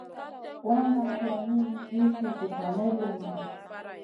Wana kayni mi fi gusna may lum ɗi.